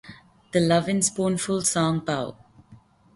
The Lovin' Spoonful's song Pow!